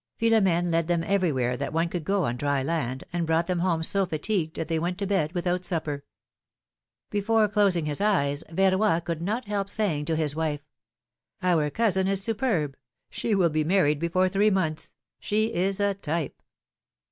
Philomene led them every where that one could go on dry land, and brought them home so fatigued that they w'ent to bed without supper. Before closing his eyes, Yerroy could not help saying to his wife : ^^Our cousin is superb! She will be married before three months ! She is a type